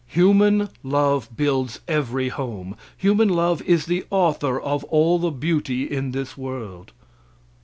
Human love builds every home human love is the author of all the beauty in this world.